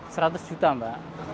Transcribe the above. seratus juta mbak